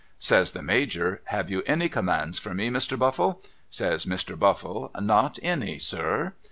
Says the Major ' Have you any commands for me, Mr. Buffle ?' Says Mr. Buffle ' Not any sir.'